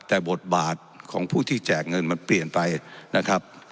แต่บทบาทของผู้ที่แจกเงินมันเปลี่ยนไปนะครับ